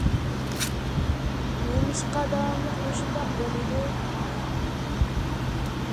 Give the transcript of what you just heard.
نېمىشقا داۋاملىق مۇشۇنداق بولىدۇ؟